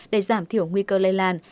để giảm thiểu nguy cơ lây lan